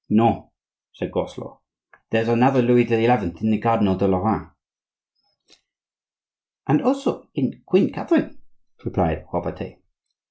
"No," said Groslot, "there's another Louis XI. in the Cardinal de Lorraine." "And also in Queen Catherine," replied Robertet.